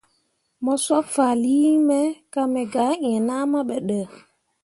Mo sob fahlii nyi me ka me ga eẽ nahma be ɗə.